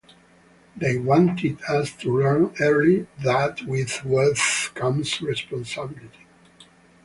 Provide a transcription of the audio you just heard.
They wanted us to learn early that with wealth comes responsibility.